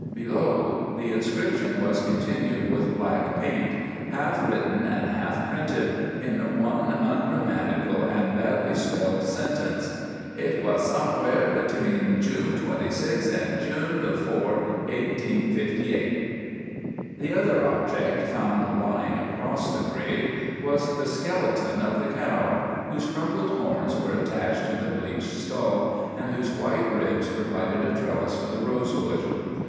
Below, the inscription was continued with black paint, half written and half printed in one ungrammatical and badly spelled sentence: Hit was sumwhar betune April 26 & Juin the 4, 1858. The other object, found lying across the grave, was the skeleton of the cow, whose crumpled horns were attached to the bleached skull, and whose white ribs provided a trellis for the rose bush.